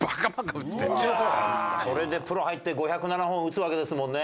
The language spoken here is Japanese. それでプロ入って５０７本打つわけですもんね。